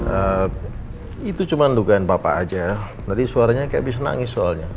eh itu cuma dugaan papa aja ya tadi suaranya kayak bisa nangis soalnya